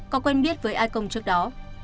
có quen biết với ai công trước đó